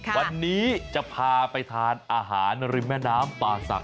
วันนี้จะพาไปทานอาหารริมแม่น้ำป่าศักดิ